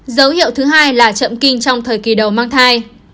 dấu hiệu thứ hai là chậm kinh trong thời kỳ đầu mang thai